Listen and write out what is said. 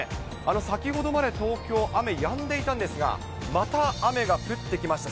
先ほどまで東京、雨やんでいたんですが、また雨が降ってきました。